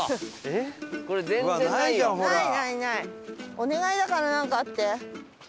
お願いだからなんかあって！